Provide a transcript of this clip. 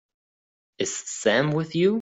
Is Sam with you?